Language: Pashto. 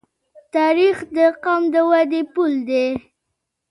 تاریخ د قوم د ودې پل دی.